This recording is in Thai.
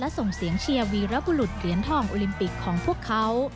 ส่งเสียงเชียร์วีรบุรุษเหรียญทองโอลิมปิกของพวกเขา